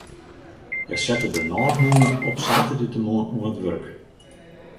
Hja sette de nôtmûne op saterdeitemoarn yn it wurk.